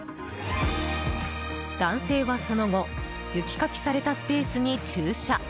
男性は、その後雪かきされたスペースに駐車。